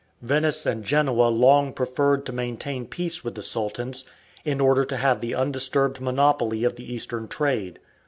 Venice and Genoa long preferred to maintain peace with the Sultans, in order to have the undisturbed monopoly of the Eastern trade.